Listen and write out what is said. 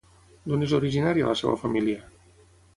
D'on és originària la seva família?